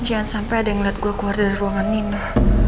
jangan sampai ada yang melihat gue keluar dari ruangan nino